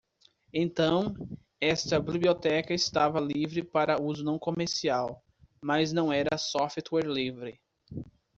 Então, esta biblioteca estava livre para uso não comercial, mas não era software livre.